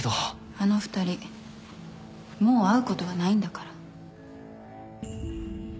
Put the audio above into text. あの２人もう会うことはないんだから